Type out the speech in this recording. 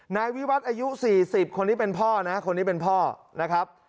นายวิวัตรอายุ๔๐คนนี้เป็นพ่อนะคนนี้เป็นพ่อนะครับ